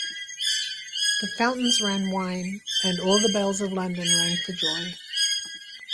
The fountains ran wine and all the bells of London rang for joy.